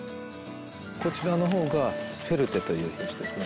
こちらの方がフェルテといいましてですね。